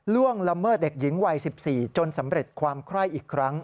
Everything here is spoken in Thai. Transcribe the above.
ล่วงละเมิดเด็กหญิงวัย๑๔จนสำเร็จความไคร้อีกครั้ง